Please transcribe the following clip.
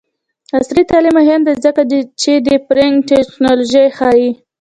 عصري تعلیم مهم دی ځکه چې د پرنټینګ ټیکنالوژي ښيي.